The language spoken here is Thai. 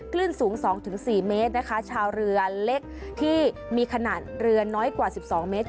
คลื่นสูง๒๔เมตรนะคะชาวเรือเล็กที่มีขนาดเรือน้อยกว่า๑๒เมตร